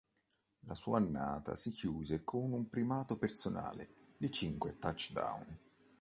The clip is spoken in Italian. La sua annata si chiuse con un primato personale di cinque touchdown.